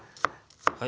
はい。